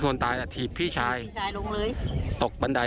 คนตายจากที่พี่ชายลงเลยตกบันได